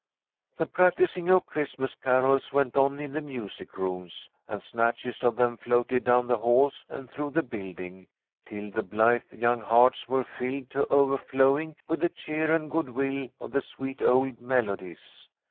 The practising of Christmas carols went on in the music rooms, and snatches of them floated down the halls and through the building, till the blithe young hearts were filled to overflowing with the cheer and good will of the sweet old melodies.